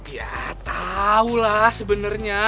ya tahulah sebenarnya